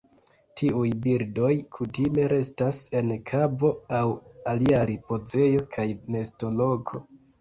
Tiuj birdoj kutime restas en kavo aŭ alia ripozejo kaj nestoloko.